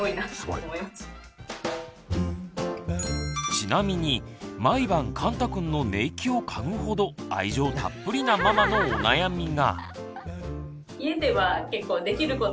ちなみに毎晩かんたくんの寝息を嗅ぐほど愛情たっぷりなママのお悩みが。